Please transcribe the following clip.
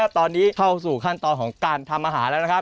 ตอนนี้เข้าสู่ขั้นตอนของการทำอาหารแล้วนะครับ